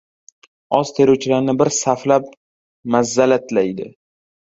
Oz teruvchilarni bir saflab mazzallatlaydi.